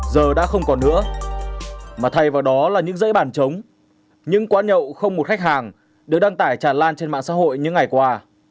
giờ đã không còn nữa mà thay vào đó là những giấy bản chống những quán nhậu không một khách hàng được đăng tải tràn lan trên mạng xã hội như ngày qua